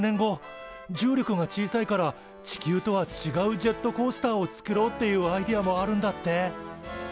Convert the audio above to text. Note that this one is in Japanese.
重力が小さいから地球とはちがうジェットコースターを作ろうっていうアイデアもあるんだって！